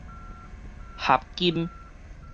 合金